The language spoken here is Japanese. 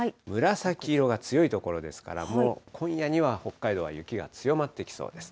紫色が強い所ですから、もう今夜には北海道は雪が強まってきそうです。